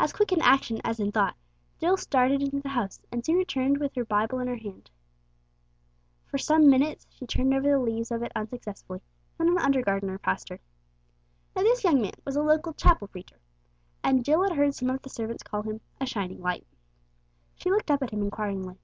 As quick in action as in thought, Jill darted into the house and soon returned with her Bible in her hand. For some minutes she turned over the leaves of it unsuccessfully, then an under gardener passed her. Now this young man was a local chapel preacher, and Jill had heard some of the servants call him "a shining light." She looked up at him inquiringly.